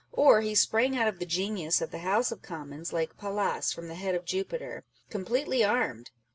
Or he sprang out of the genius of the House of Commons, like Pallas from the head of Jupiter, completely armed.